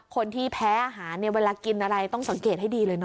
คนที่แพ้อาหารเนี่ยเวลากินอะไรต้องสังเกตให้ดีเลยเน